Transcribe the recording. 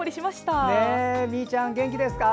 みーちゃん、元気ですか？